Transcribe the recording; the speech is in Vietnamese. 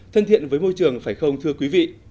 thân thiện với môi trường phải không thưa quý vị